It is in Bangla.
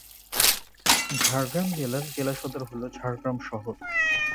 ঝাড়গ্রাম জেলার জেলাসদর হল ঝাড়গ্রাম শহর।